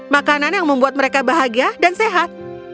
makanan yang membuat mereka bahagia dan sehat